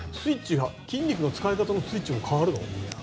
筋肉の使い方のスイッチも変わるの？